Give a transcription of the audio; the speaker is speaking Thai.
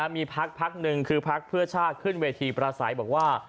มีพักหนึ่งคือพักเพื่อชาติขึ้นเวทีประสัยบอกว่า